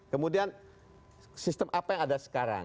kemudian sistem apa yang ada sekarang